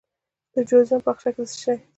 د جوزجان په اقچه کې د څه شي نښې دي؟